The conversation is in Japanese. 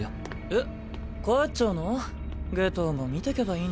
えっ？